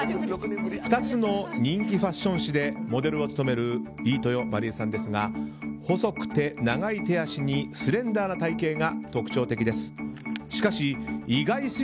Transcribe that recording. ２つの人気ファッション誌でモデルを務める飯豊まりえさんですが細くて長い手足にスレンダーな体形が特徴的です。